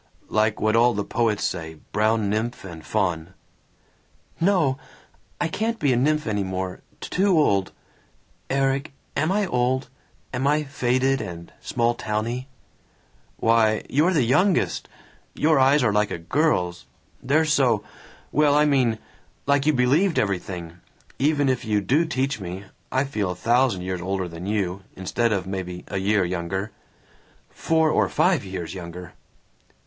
"Like what all the poets say brown nymph and faun." "No. I can't be a nymph any more. Too old Erik, am I old? Am I faded and small towny?" "Why, you're the youngest Your eyes are like a girl's. They're so well, I mean, like you believed everything. Even if you do teach me, I feel a thousand years older than you, instead of maybe a year younger." "Four or five years younger!"